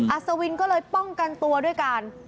อสวินก็เลยป้องกันตัวด้วยกัน